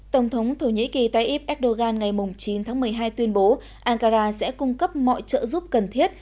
tổng thống thổ nhĩ kỳ tayyip erdogan ngày chín tháng một mươi hai tuyên bố ankara sẽ cung cấp mọi trợ giúp cần thiết